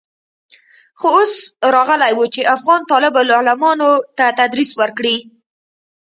خو اوس راغلى و چې افغان طالب العلمانو ته تدريس وکړي.